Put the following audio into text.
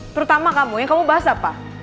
terutama kamu yang kamu bahas apa